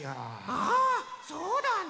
ああそうだね。